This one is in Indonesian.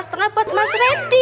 setengah buat mas randy